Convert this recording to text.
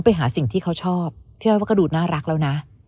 ไปหาสิ่งที่เขาชอบพี่อ้อยว่าก็ดูน่ารักแล้วนะ